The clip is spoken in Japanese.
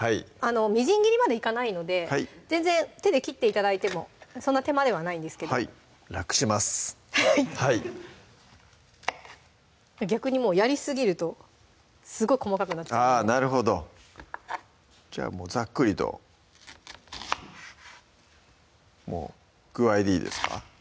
みじん切りまでいかないので全然手で切って頂いてもそんな手間ではないんですけど楽しますはい逆にやり過ぎるとすごい細かくなっちゃうんであぁなるほどじゃあもうざっくりともう具合でいいですか？